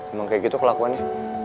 emang kayak gitu kelakuannya